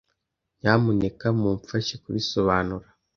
Nyamuneka mumfashe kubisobanura?